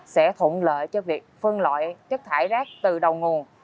sẽ thụn lợi cho việc phân loại chất thải rác từ đầu nguồn